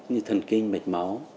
như thần kinh mệt máu